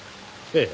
ええ。